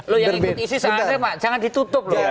lo yang ikut isis andri jangan ditutup loh